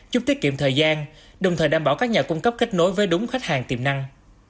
chúc tiết kiệm thời gian đồng thời đảm bảo các nhà cung cấp kết nối với đúng khách hàng tiềm năng